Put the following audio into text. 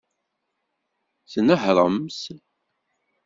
Tnehṛemt.